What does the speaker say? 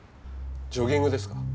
ジョギングですか？